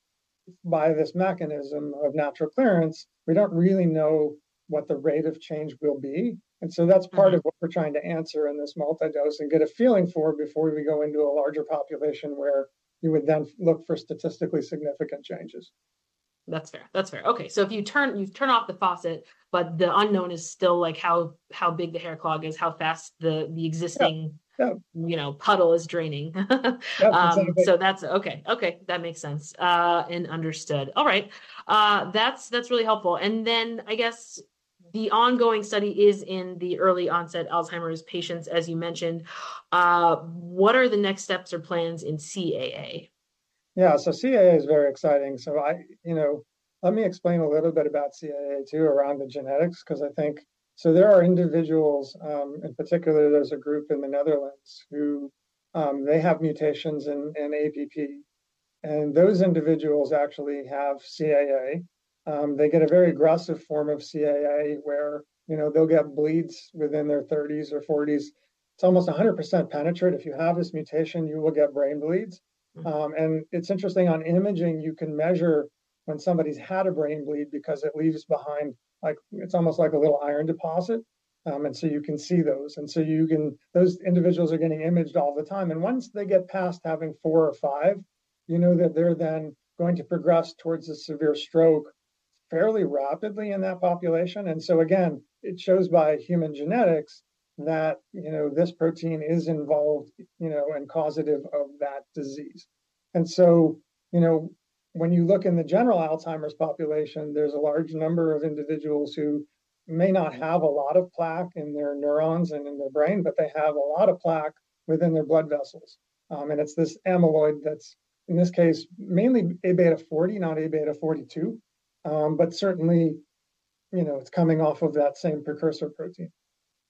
by this mechanism of natural clearance, we don't really know what the rate of change will be. And so that's part of what we're trying to answer in this multi-dose and get a feeling for before we go into a larger population where you would then look for statistically significant changes. That's fair. That's fair. Okay. So if you turn, you turn off the faucet, but the unknown is still like how, how big the hair clog is, how fast the, the existing, you know, puddle is draining. So that's okay. Okay. That makes sense. Understood. All right. That's really helpful. And then I guess the ongoing study is in the early onset Alzheimer's patients, as you mentioned. What are the next steps or plans in CAA? Yeah. So CAA is very exciting. So I, you know, let me explain a little bit about CAA too around the genetics 'cause I think, so there are individuals, in particular, there's a group in the Netherlands who, they have mutations in APP. And those individuals actually have CAA. They get a very aggressive form of CAA where, you know, they'll get bleeds within their thirties or forties. It's almost 100% penetrance. If you have this mutation, you will get brain bleeds. And it's interesting on imaging, you can measure when somebody's had a brain bleed because it leaves behind like, it's almost like a little iron deposit. And so you can see those. And so you can, those individuals are getting imaged all the time. Once they get past having four or five, you know that they're then going to progress towards a severe stroke fairly rapidly in that population. So again, it shows by human genetics that, you know, this protein is involved, you know, and causative of that disease. So, you know, when you look in the general Alzheimer's population, there's a large number of individuals who may not have a lot of plaque in their neurons and in their brain, but they have a lot of plaque within their blood vessels. And it's this amyloid that's in this case mainly Abeta 40, not Abeta 42. But certainly, you know, it's coming off of that same precursor protein.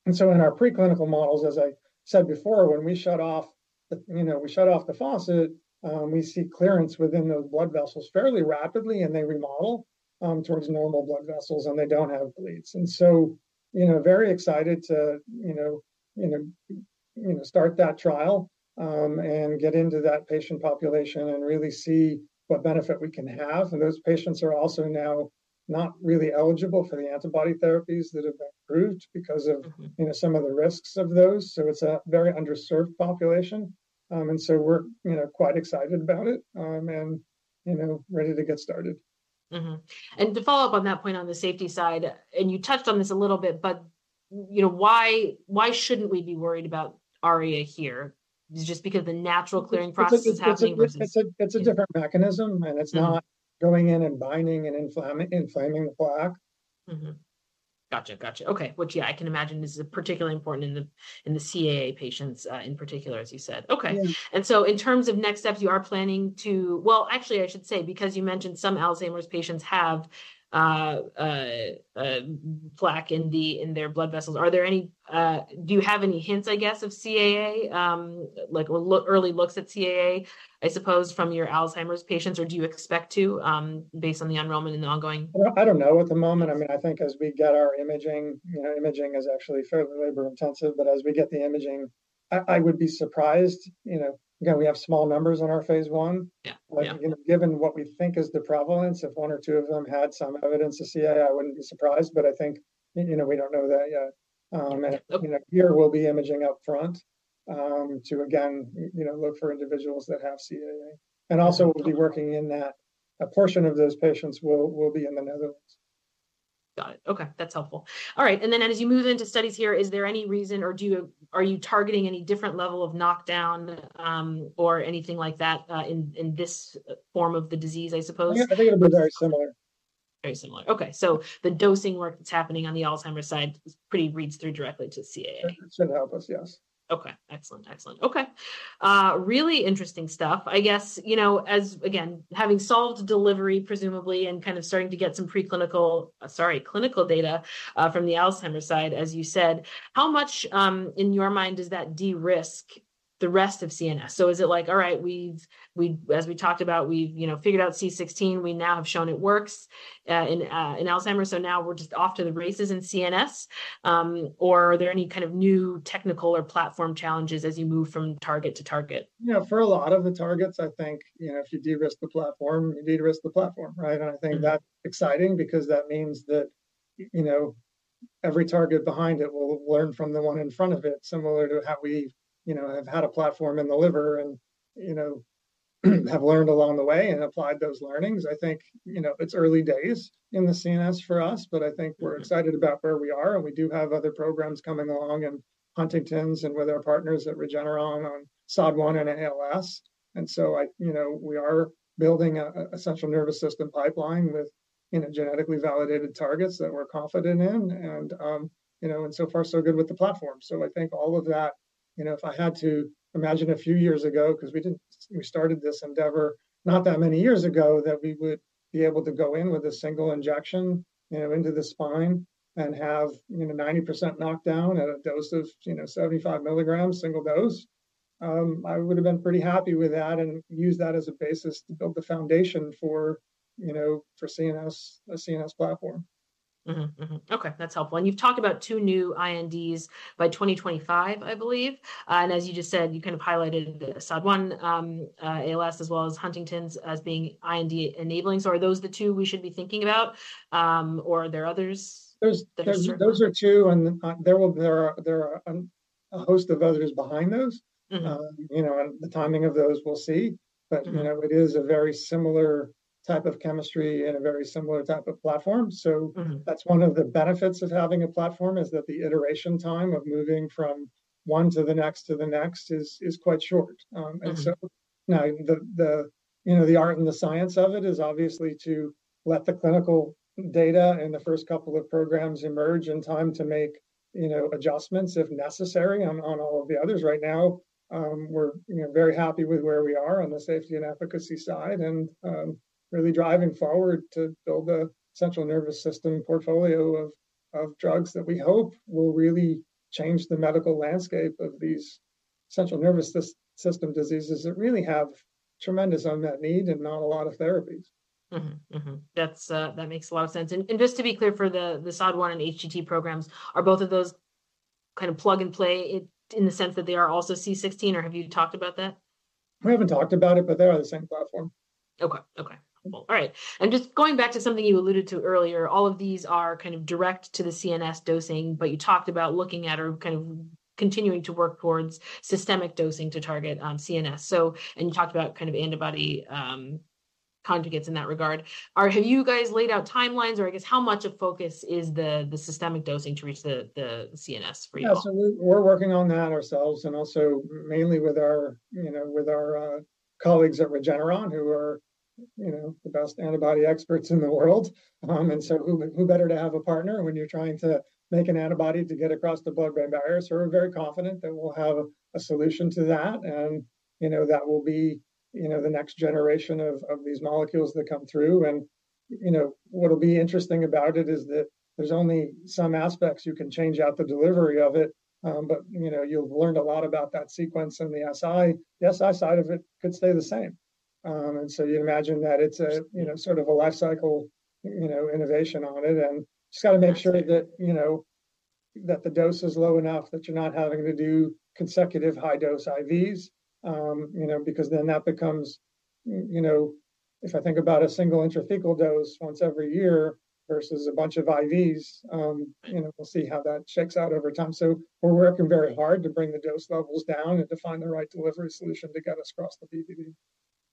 And so in our preclinical models, as I said before, when we shut off the, you know, we shut off the faucet, we see clearance within those blood vessels fairly rapidly and they remodel towards normal blood vessels and they don't have bleeds. And so, you know, very excited to, you know, you know, you know, start that trial, and get into that patient population and really see what benefit we can have. And those patients are also now not really eligible for the antibody therapies that have been approved because of, you know, some of the risks of those. So it's a very underserved population. And so we're, you know, quite excited about it. And, you know, ready to get started. Mm-hmm. And to follow up on that point on the safety side, and you touched on this a little bit, but you know, why, why shouldn't we be worried about ARIA here? Is it just because of the natural clearing process is happening versus. It's a different mechanism and it's not going in and binding and inflaming the plaque. Mm-hmm. Gotcha. Gotcha. Okay. Which, yeah, I can imagine is particularly important in the, in the CAA patients, in particular, as you said. Okay. And so in terms of next steps, you are planning to, well, actually I should say because you mentioned some Alzheimer's patients have plaque in their blood vessels. Are there any, do you have any hints, I guess, of CAA, like early looks at CAA, I suppose, from your Alzheimer's patients, or do you expect to, based on the enrollment and the ongoing? I don't know at the moment. I mean, I think as we get our imaging, you know, imaging is actually fairly labor intensive, but as we get the imaging, I would be surprised, you know, again, we have small numbers on our phase one. Yeah. Like, you know, given what we think is the prevalence, if one or two of them had some evidence of CAA, I wouldn't be surprised, but I think, you know, we don't know that yet. And, you know, here we'll be imaging upfront, to again, you know, look for individuals that have CAA. And also we'll be working in that a portion of those patients will, will be in the Netherlands. Got it. Okay. That's helpful. All right. And then as you move into studies here, is there any reason or do you, are you targeting any different level of knockdown, or anything like that, in this form of the disease, I suppose? Yeah. I think it'll be very similar. Very similar. Okay. So the dosing work that's happening on the Alzheimer's side pretty reads through directly to CAA. It should help us. Yes. Okay. Excellent. Excellent. Okay. Really interesting stuff, I guess, you know, as again, having solved delivery presumably and kind of starting to get some preclinical, sorry, clinical data, from the Alzheimer's side, as you said, how much, in your mind does that de-risk the rest of CNS? So is it like, all right, we've, we, as we talked about, we've, you know, figured out C16, we now have shown it works, in, in Alzheimer's. So now we're just off to the races in CNS. Or are there any kind of new technical or platform challenges as you move from target to target? Yeah. For a lot of the targets, I think, you know, if you de-risk the platform, you de-risk the platform, right? And I think that's exciting because that means that, you know, every target behind it will learn from the one in front of it, similar to how we, you know, have had a platform in the liver and, you know, have learned along the way and applied those learnings. I think, you know, it's early days in the CNS for us, but I think we're excited about where we are and we do have other programs coming along in Huntington's and with our partners at Regeneron on SOD1 and ALS. And so I, you know, we are building a central nervous system pipeline with, you know, genetically validated targets that we're confident in and, you know, and so far, so good with the platform. So I think all of that, you know, if I had to imagine a few years ago, 'cause we didn't, we started this endeavor not that many years ago that we would be able to go in with a single injection, you know, into the spine and have, you know, 90% knockdown at a dose of, you know, 75 mg, single dose. I would've been pretty happy with that and use that as a basis to build the foundation for, you know, for CNS, a CNS platform. Mm-hmm. Mm-hmm. Okay. That's helpful. And you've talked about two new INDs by 2025, I believe. And as you just said, you kind of highlighted SOD1, ALS as well as Huntington's as being IND enabling. So are those the two we should be thinking about? Or are there others? There are two and there are a host of others behind those, you know, and the timing of those we'll see. But, you know, it is a very similar type of chemistry and a very similar type of platform. So that's one of the benefits of having a platform is that the iteration time of moving from one to the next to the next is quite short. And so now, you know, the art and the science of it is obviously to let the clinical data and the first couple of programs emerge in time to make, you know, adjustments if necessary on all of the others. Right now, we're, you know, very happy with where we are on the safety and efficacy side and, really driving forward to build the central nervous system portfolio of drugs that we hope will really change the medical landscape of these central nervous system diseases that really have tremendous unmet need and not a lot of therapies. Mm-hmm. Mm-hmm. That makes a lot of sense. And just to be clear for the SOD1 and HTT programs, are both of those kind of plug and play in the sense that they are also C16, or have you talked about that? We haven't talked about it, but they are the same platform. Okay. Okay. Well, all right. Just going back to something you alluded to earlier, all of these are kind of direct to the CNS dosing, but you talked about looking at or kind of continuing to work towards systemic dosing to target CNS. You talked about kind of antibody conjugates in that regard. Have you guys laid out timelines or I guess how much of focus is the systemic dosing to reach the CNS for you all? Yeah. So we're working on that ourselves and also mainly with our, you know, with our colleagues at Regeneron who are, you know, the best antibody experts in the world. So who better to have a partner when you're trying to make an antibody to get across the blood-brain barrier? So we're very confident that we'll have a solution to that. And, you know, that will be, you know, the next generation of these molecules that come through. And, you know, what'll be interesting about it is that there's only some aspects you can change out the delivery of it. But, you know, you've learned a lot about that sequence and the SI, the SI side of it could stay the same. So you'd imagine that it's a, you know, sort of a life cycle, you know, innovation on it. And just gotta make sure that, you know, that the dose is low enough that you're not having to do consecutive high-dose IVs. You know, because then that becomes, you know, if I think about a single intrathecal dose once every year versus a bunch of IVs, you know, we'll see how that shakes out over time. So we're working very hard to bring the dose levels down and define the right delivery solution to get us across the BBB.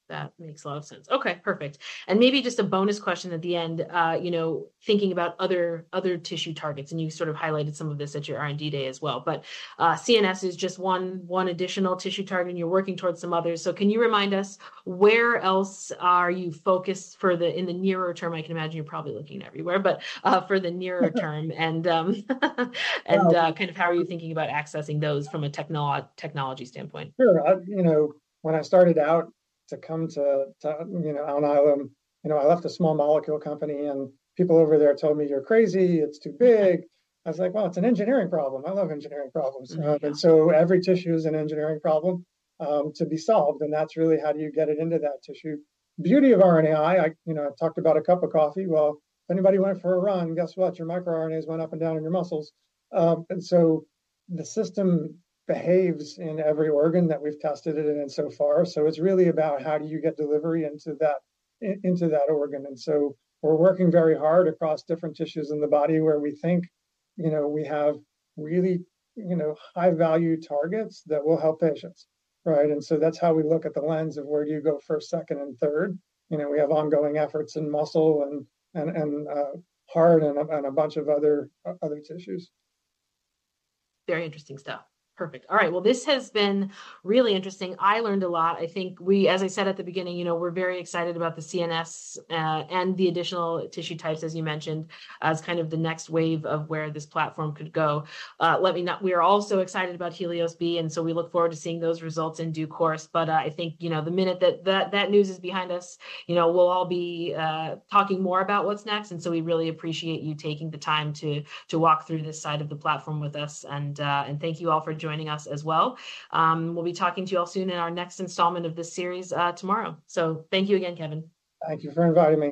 That makes a lot of sense. Okay. Perfect. And maybe just a bonus question at the end, you know, thinking about other tissue targets. And you sort of highlighted some of this at your R&D day as well, but, CNS is just one additional tissue target and you're working towards some others. So can you remind us where else are you focused for the, in the nearer term? I can imagine you're probably looking everywhere, but, for the nearer term and, kind of how are you thinking about accessing those from a technology standpoint? Sure. You know, when I started out to come to Alnylam, you know, I left a small molecule company and people over there told me, "You're crazy. It's too big." I was like, "Well, it's an engineering problem. I love engineering problems." And so every tissue is an engineering problem, to be solved. And that's really how do you get it into that tissue. Beauty of RNAi. You know, I've talked about a cup of coffee. Well, if anybody went for a run, guess what? Your microRNAs went up and down in your muscles. And so the system behaves in every organ that we've tested it in so far. So it's really about how do you get delivery into that organ. And so we're working very hard across different tissues in the body where we think, you know, we have really, you know, high-value targets that will help patients, right? And so that's how we look at the lens of where do you go first, second, and third. You know, we have ongoing efforts in muscle and heart and a bunch of other tissues. Very interesting stuff. Perfect. All right. Well, this has been really interesting. I learned a lot. I think we, as I said at the beginning, you know, we're very excited about the CNS, and the additional tissue types, as you mentioned, as kind of the next wave of where this platform could go. Let me know, we are also excited about HELIOS-B. And so we look forward to seeing those results in due course. But, I think, you know, the minute that news is behind us, you know, we'll all be talking more about what's next. And so we really appreciate you taking the time to walk through this side of the platform with us. And thank you all for joining us as well. We'll be talking to you all soon in our next installment of this series, tomorrow. So thank you again, Kevin. Thank you for inviting me.